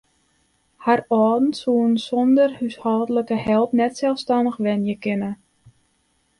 Har âlden soene sonder húshâldlike help net selsstannich wenje kinne.